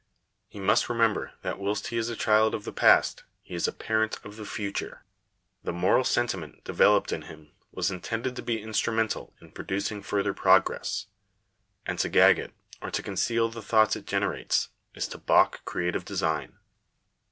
He must remember that whilst he is a child of the past, he is a parent of the future. The moral sentiment developed in him, was intended to be Digitized by VjOOQIC CONCLUSION. 475 instrumental in producing further progress ; and to gag it, or to conceal the thoughts it generates, is to balk creative design.